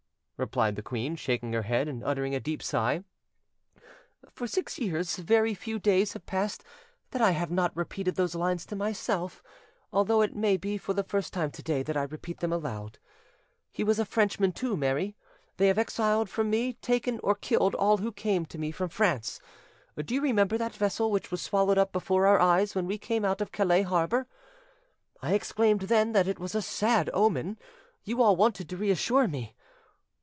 replied the queen, shaking her head and uttering a deep sigh, "for six years very few days have passed that I have not repeated those lines to myself, although it may be for the first time to day that I repeat them aloud. He was a Frenchman too, Mary: they have exiled from me, taken or killed all who came to me from France. Do you remember that vessel which was swallowed up before our eyes when we came out of Calais harbour? I exclaimed then that it was a sad omen: you all wanted to reassure me.